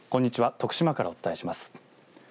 徳島からお伝えします。